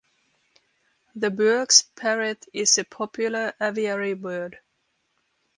The Bourke's parrot is a popular aviary bird.